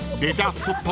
スポット